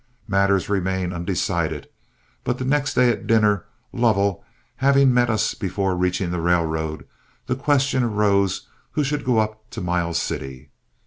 Matters remained undecided; but the next day at dinner, Lovell having met us before reaching the railroad, the question arose who should go up to Miles City.